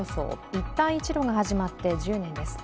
一帯一路が始まって１０年です。